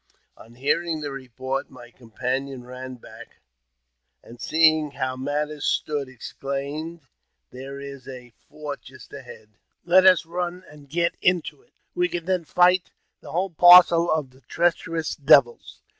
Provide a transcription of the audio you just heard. On hearing the report, my companion ran "back, and, seeing how matters stood, exclaimed, " There is a fort just ahead, let us run and get into it ; we can then fight the whole parcel of the treacherous devils."